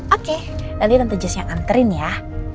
oke lalu tante justnya anterin ya